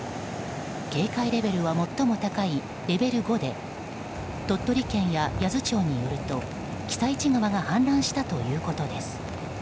警戒レベルは最も高いレベル５で鳥取県や八頭町によると私都川が氾濫したということです。